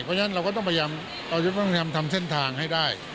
เพราะฉะนั้นเราก็ต้องเตรียมทำเส้นทางให้ได้